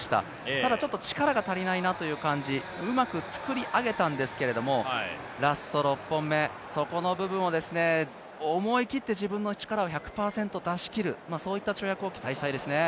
ただちょっと力が足りないなという感じ、うまく作り上げたんですけれどもラスト６本目、そこの部分を思い切って自分の力を１００％出し切る、そういった跳躍を期待したいですね。